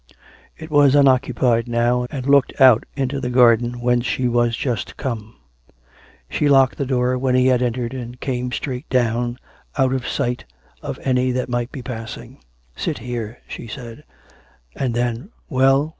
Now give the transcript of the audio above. It was unoccupied now, and looked out into the garden whence she was just come. She locked the door when he had entered, and came and sat down out of sight of any that might be passing. "Sit here," she said; and then: "Well.''"